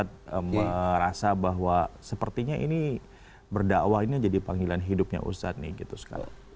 saya merasa bahwa sepertinya ini berdakwah ini jadi panggilan hidupnya ustadz nih gitu sekarang